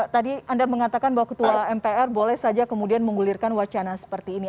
tadi anda mengatakan bahwa ketua mpr boleh saja kemudian menggulirkan wacana seperti ini